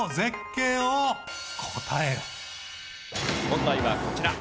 問題はこちら。